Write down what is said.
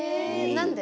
何で？